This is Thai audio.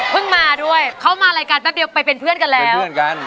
เพิ่งมาด้วยเข้ามารายการแป๊บเดียวไปเป็นเพื่อนกันแล้ว